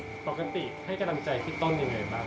ปกติให้กำลังใจพี่ต้นยังไงบ้าง